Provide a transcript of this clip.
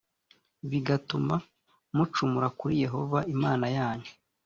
bigatuma mucumura kuri yehova imana yanyu